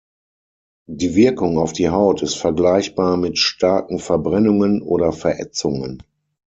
Die Wirkung auf die Haut ist vergleichbar mit starken Verbrennungen oder Verätzungen.